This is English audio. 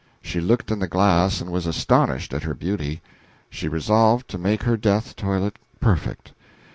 She looked in the glass and was astonished at her beauty. She resolved to make her death toilet perfect.